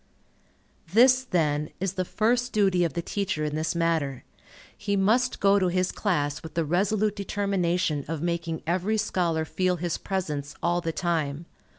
This, then, is the first duty of the teacher in this matter. He must go to his class with the resolute determination of making every scholar feel his presence all the time.